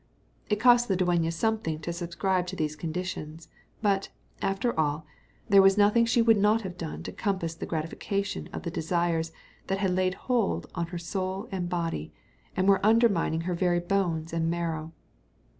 It cost the dueña something to subscribe to these conditions; but, after all, there was nothing she would not have done to compass the gratification of the desires that had laid hold on her soul and body, and were undermining her very bones and marrow.